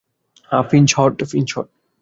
হ্যাঁ, Finch hot.